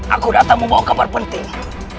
aku datang membawa kabar penting